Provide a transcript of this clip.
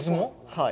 はい。